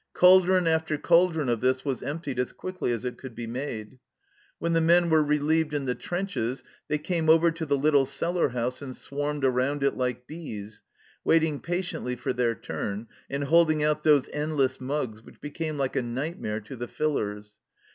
Cauldron after cauldron of this was emptied as quickly as it could be made. When the men were relieved in the trenches they came over to the little cellar house, and swarmed around it like bees, waiting patiently for their turn, and holding out those endless mugs which became like a nightmare to the fillers.